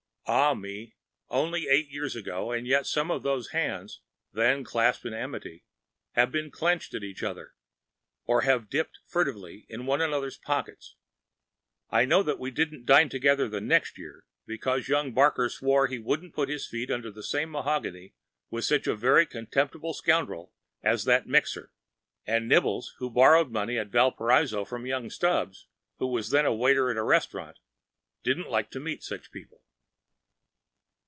Ah, me! only eight years ago, and yet some of those hands, then clasped in amity, have been clenched at each other, or have dipped furtively in one another’s pockets. I know that we didn’t dine together the next year, because young Barker swore he wouldn’t put his feet under the same mahogany with such a very contemptible scoundrel as that Mixer; and Nibbles, who borrowed money at Valparaiso of young Stubbs, who was then a waiter in a restaurant, didn’t like to meet such people.